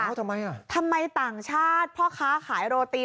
ทำไมอ่ะทำไมต่างชาติพ่อค้าขายโรตี